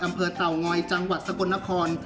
อำเภอเต่าง้อยจังหวัดสกลนคร